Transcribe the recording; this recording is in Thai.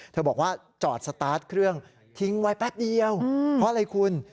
บอกว่าจอดสตาร์ทเครื่องทิ้งไว้แป๊บเดียวเพราะอะไรคุณ